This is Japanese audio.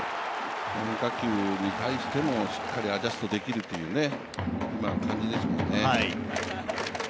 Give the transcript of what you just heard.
変化球に対してもしっかりアジャストできるという感じですもんね。